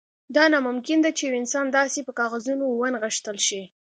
دا ناممکن ده چې یو انسان داسې په کاغذونو ونغښتل شي